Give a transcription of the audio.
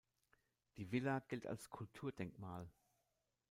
Die Villa gilt als Kulturdenkmal.